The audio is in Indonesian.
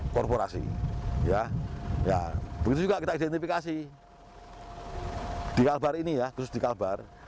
korporasi ya begitu juga kita identifikasi di kalbar ini ya khusus di kalbar